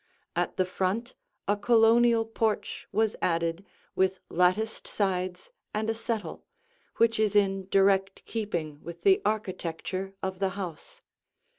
At the front a Colonial porch was added with latticed sides and a settle, which is in direct keeping with the architecture of the house.